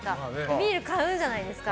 ビール買うじゃないですか。